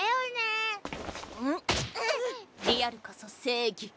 リアルこそ正義。